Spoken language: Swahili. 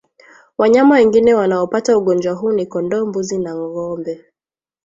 Wanyama wengine wanaopata ugonjwa huu ni kondoo mbuzi na ngombe